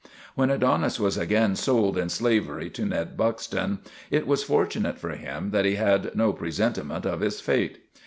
When Adonis was again sold in slavery to Ned Buxton it was fortunate for him that he had no presentiment of his fate.